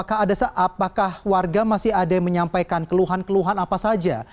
apakah warga masih ada yang menyampaikan keluhan keluhan apa saja